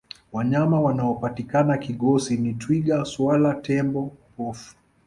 wanyama wanaopatikana kigosi ni twiga swala tembo pofu